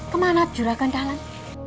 kemana juragan dalam